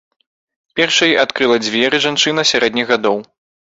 Першай адкрыла дзверы жанчына сярэдніх гадоў.